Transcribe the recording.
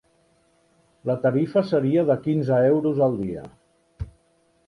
La tarifa seria de quinze euros al dia.